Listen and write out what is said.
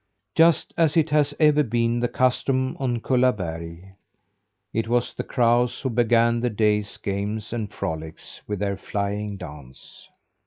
Just as it has ever been the custom on Kullaberg, it was the crows who began the day's games and frolics with their flying dance.